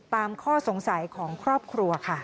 ข้อสงสัยของครอบครัวค่ะ